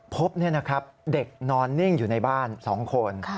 พบนี่นะครับเด็กนอนนิ่งอยู่ในบ้าน๒คน